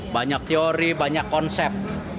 banyak teori banyak konsep